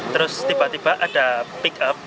terus tiba tiba ada pickup